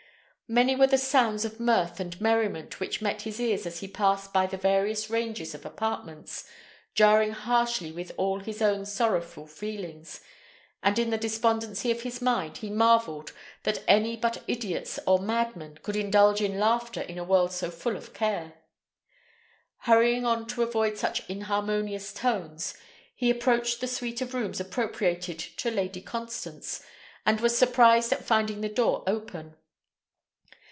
Many were the sounds of mirth and merriment which met his ears as he passed by the various ranges of apartments, jarring harshly with all his own sorrowful feelings, and in the despondency of his mind he marvelled that any but idiots or madmen could indulge in laughter in a world so full of care. Hurrying on to avoid such inharmonious tones, he approached the suite of rooms appropriated to Lady Constance, and was surprised at finding the door open.